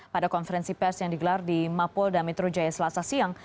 pada konferensi pers yang digelar di mapol damitrujaya selasa siang